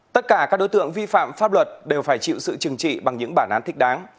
tất cả các đối tượng vi phạm pháp luật đều phải chịu sự trừng trị bằng những bản án thích đáng